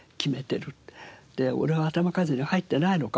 「俺は頭数に入ってないのか。